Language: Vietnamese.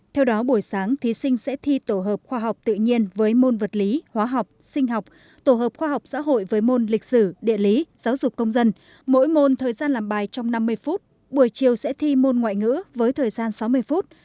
theo đó buổi sáng thí sinh sẽ thi tổ hợp khoa học tự nhiên với môn vật lý hóa học sinh học tổ hợp khoa học xã hội với môn lịch sử địa lý giáo dục công dân mỗi môn thời gian làm bài trong năm mươi phút buổi chiều sẽ thi môn ngoại ngữ với thời gian sáu mươi phút